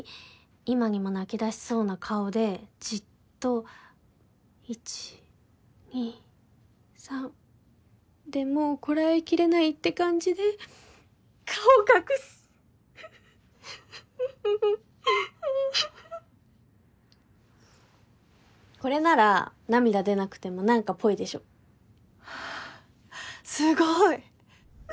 今にも泣き出しそうな顔でじっと１２３でもうこらえきれないって感じで顔を隠すこれなら涙出なくてもなんかっぽいでああすごい！